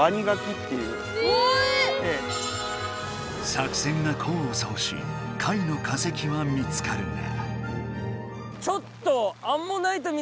作戦がこうをそうし貝の化石は見つかるが。